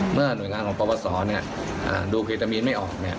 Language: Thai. หน่วยงานของปปศดูเคตามีนไม่ออก